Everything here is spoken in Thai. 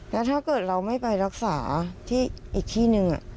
แล้วถ้าเกิดเราไม่ไปรักษาที่อีกที่หนึ่ง